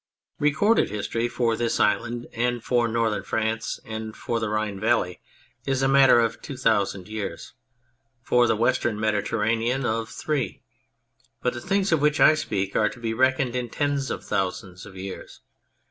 Recorded history for this island, and for Northern France and for the Rhine Valley, is a matter of two thousand years ; for the Western Mediterranean of three ; but the things of which I speak are to be reckoned in tens of thousands of years.